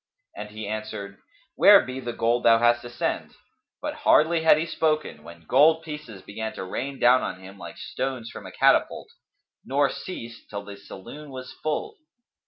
And he answered, "Where be the gold thou hast to send?" But hardly had he spoken, when gold pieces began to rain down on him, like stones from a catapult, nor ceased till the saloon was full.